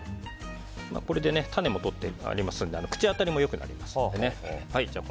種も取ってありますので口当たりも良くなります。